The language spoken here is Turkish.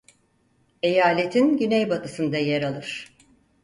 Eyaletin güneybatısında yer alır.